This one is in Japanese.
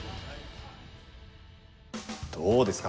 どうですか？